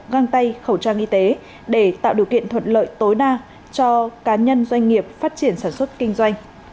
găng tay khẩu trang y tế để tạo điều kiện thuận lợi tối đa cho cá nhân doanh nghiệp phát triển sản xuất kinh doanh